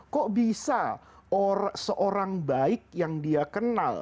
kok bisa seorang baik yang dia kenal